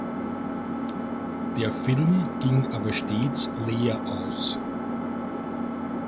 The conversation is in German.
Der Film ging aber stets leer aus.